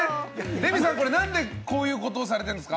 レミさん、なんでこういうことをされてるんですか？